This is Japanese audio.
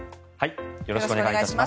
よろしくお願いします。